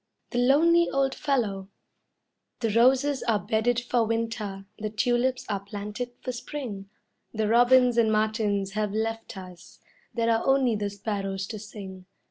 THE LONELY OLD FELLOW The roses are bedded for winter, the tulips are planted for spring; The robins and martins have left us; there are only the sparrows to sing.